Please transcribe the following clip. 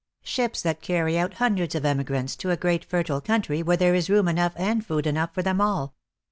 Ships that carry out hundreds of emigrants to a great fertile country where there is room enough and food enough for them all.